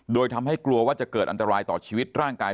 โดยทำให้กลัวว่าจะเกิดอันตรายต่อชีวิตร่างกาย